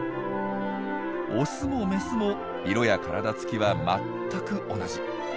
オスもメスも色や体つきは全く同じ。